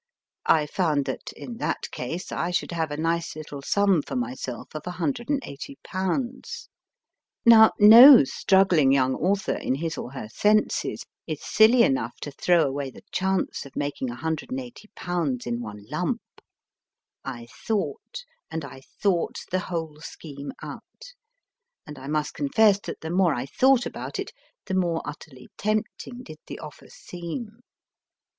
I found that, in that case, I should have a nice little sum for myself of i8o/. Now, no struggling young author in his or her senses is silly enough to throw away the chance of making 1 8o/. in one lump. I thought, and I thought the whole scheme out, and I must confess that the more I thought about it, the more utterly tempting did the offer seem.